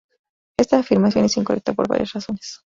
Esta afirmación es incorrecta por varias razones.